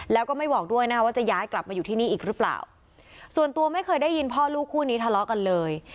แล้วก็ไม่บอกด้วยนะคะว่าจะย้ายกลับมาอยู่ที่นี่อีกหรือเปล่าส่วนตัวไม่เคยได้ยินพ่อลูกคู่นี้ทะเลาะกันเลย